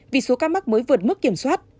vì số ca mắc mới vượt mức kiểm soát